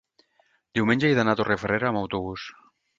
diumenge he d'anar a Torrefarrera amb autobús.